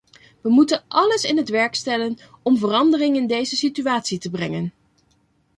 We moeten alles in het werk stellen om verandering in deze situatie te brengen.